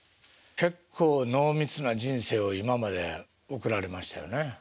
結構濃密な人生を今まで送られましたよね。